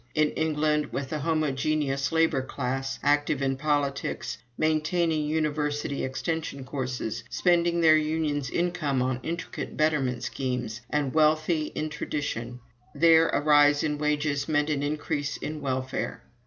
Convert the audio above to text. In England, with a homogeneous labor class, active in politics, maintaining university extension courses, spending their union's income on intricate betterment schemes, and wealthy in tradition there a rise in wages meant an increase in welfare.